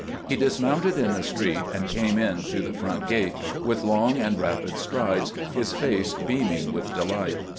He dismounted in the street, and came in through the front gate with long and rapid strides, his face beaming with delight.